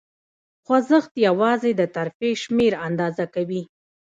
خوځښت یواځې د ترفیع شمېر آندازه کوي.